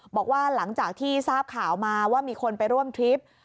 บอกว่าหลังจากที่ทราบข่าวมาว่ามีคนไปร่วมทริป